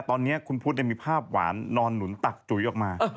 ตอนนี้คุณพุทธมีภาพหวานนอนหนุนตักจุ๋ยออกมา